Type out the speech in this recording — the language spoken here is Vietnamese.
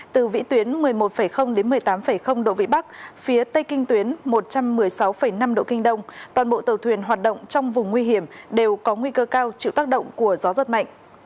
từ vĩ tuyến một mươi một đến một mươi tám độ vĩ bắc phía tây kinh tuyến một trăm một mươi sáu năm độ kinh đông toàn bộ tàu thuyền hoạt động trong vùng nguy hiểm đều có nguy cơ cao chịu tác động của gió giật mạnh